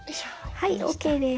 はいＯＫです。